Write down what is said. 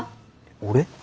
俺？